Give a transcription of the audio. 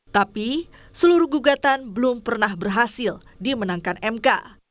tapi seluruh gugatan belum pernah berhasil dimenangkan mk